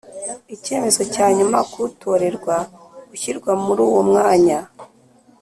icyemezo cya nyuma ku utorerwa gushyirwa muri uwo mwanya